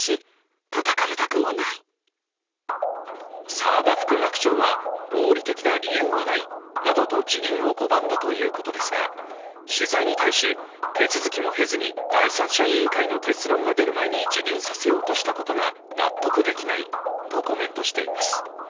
沢田副学長は合理的な理由はないなどと辞任を拒んだということですが取材に対し、手続きも経ずに第三者委員会の結論が出る前に辞任させようとしたことが納得できないとコメントしています。